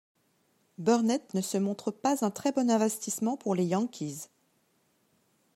Burnett ne se montre pas un très bon investissement pour les Yankees.